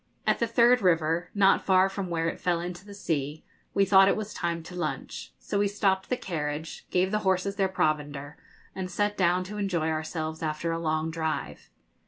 At the third river, not far from where it fell into the sea, we thought it was time to lunch; so we stopped the carriage, gave the horses their provender, and sat down to enjoy ourselves after our long drive.